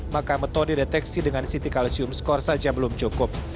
maka metode deteksi dengan sitikalusium skor saja belum cukup